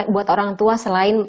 buat orang tua selain